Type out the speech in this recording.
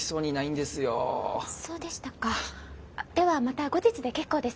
ではまた後日で結構です。